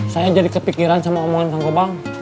saya jadi kepikiran sama omongan bang gopang